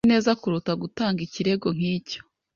Azi neza kuruta gutanga ikirego nkicyo.